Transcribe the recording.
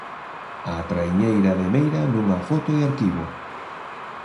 A traiñeira de Meira nunha foto de arquivo.